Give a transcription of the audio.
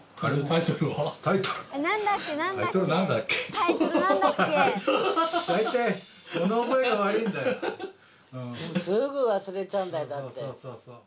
タイトル大体すぐ忘れちゃうんだよだって